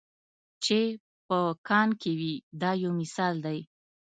چې په کان کې وي دا یو مثال دی.